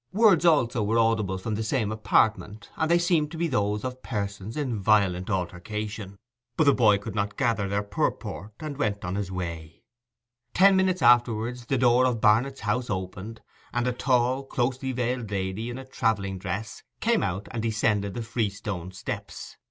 Words also were audible from the same apartment, and they seemed to be those of persons in violent altercation. But the boy could not gather their purport, and he went on his way. Ten minutes afterwards the door of Barnet's house opened, and a tall closely veiled lady in a travelling dress came out and descended the freestone steps.